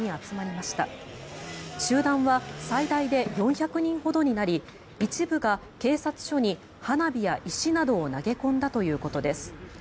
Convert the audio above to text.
集団は最大で４００人ほどになり一部が警察署に花火や石などを投げ込んだということです。